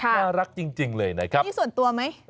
น่ารักจริงเลยนะครับนี่ส่วนตัวไหม